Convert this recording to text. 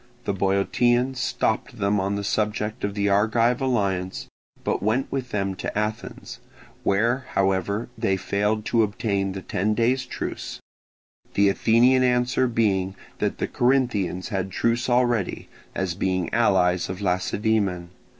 The Boeotians stopped them on the subject of the Argive alliance, but went with them to Athens, where however they failed to obtain the ten days' truce; the Athenian answer being that the Corinthians had truce already, as being allies of Lacedaemon.